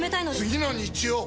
次の日曜！